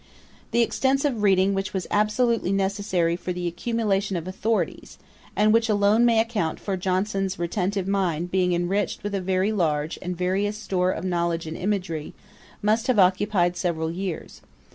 ] The extensive reading which was absolutely necessary for the accumulation of authorities, and which alone may account for Johnson's retentive mind being enriched with a very large and various store of knowledge and imagery, must have occupied several years.